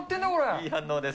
いい反応です。